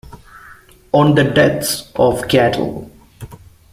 On the Deaths of Cattle.